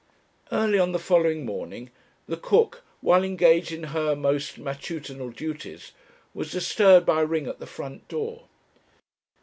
Early on the following morning, the cook, while engaged in her most matutinal duties, was disturbed by a ring at the front door.